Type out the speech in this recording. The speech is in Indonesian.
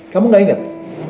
kamu gak inget